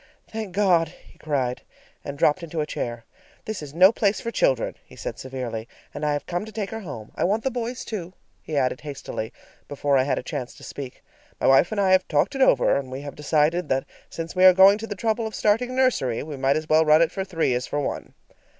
"Thank God!" he cried, and dropped into a chair. "This is no place for children," he said severely, "and I have come to take her home. I want the boys, too," he added hastily before I had a chance to speak. "My wife and I have talked it over, and we have decided that since we are going to the trouble of starting a nursery, we might as well run it for three as for one."